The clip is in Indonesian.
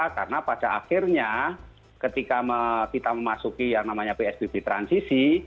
karena pada akhirnya ketika kita memasuki yang namanya psbb transisi